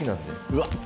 うわっ！